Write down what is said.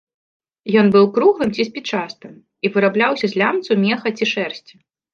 Ён быў круглым ці спічастым і вырабляўся з лямцу, меха ці шэрсці.